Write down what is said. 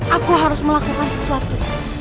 aku harus melakukan sesuatu